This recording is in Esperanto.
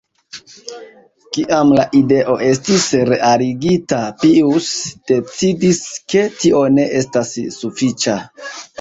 Kiam la ideo estis realigita, Pijus decidis, ke tio ne estas sufiĉa.